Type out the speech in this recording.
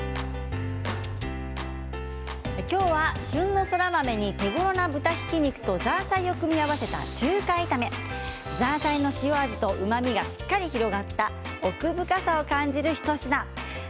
今日は旬のそら豆に手ごろな豚ひき肉とザーサイを組み合わせた中華炒めザーサイの塩みとうまみがしっかり広がった奥深さを感じる一品です。